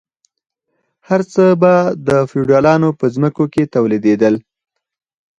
هر څه به د فیوډالانو په ځمکو کې تولیدیدل.